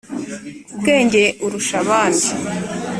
bwenge urusha abandi.